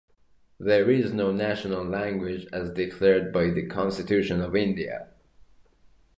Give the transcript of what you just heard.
There is no national language as declared by the Constitution of India.